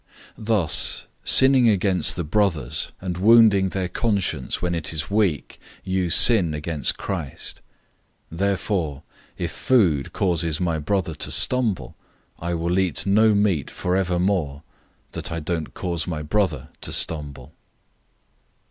008:012 Thus, sinning against the brothers, and wounding their conscience when it is weak, you sin against Christ. 008:013 Therefore, if food causes my brother to stumble, I will eat no meat forevermore, that I don't cause my brother to stumble.